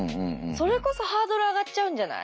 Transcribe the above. それこそハードル上がっちゃうんじゃない？